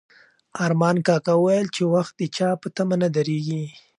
ارمان کاکا وویل چې وخت د چا په تمه نه درېږي.